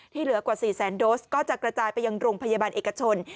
เหลือกว่า๔แสนโดสก็จะกระจายไปยังโรงพยาบาลเอกชน